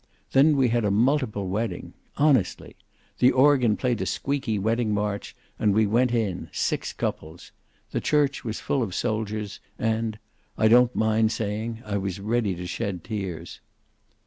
Then we had a multiple wedding. Honestly! The organ played a squeaky wedding march, and we went in, six couples. The church was full of soldiers, and I don't mind saying I was ready to shed tears.